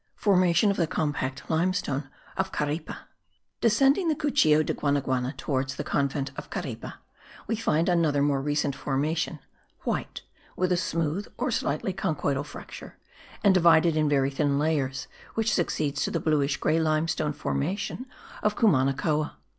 FORMATION OF THE COMPACT LIMESTONE OF CARIPE. Descending the Cuchillo de Guanaguana towards the convent of Caripe, we find another more recent formation, white, with a smooth or slightly conchoidal fracture, and divided in very thin layers, which succeeds to the bluish grey limestone formation of Cumanacoa.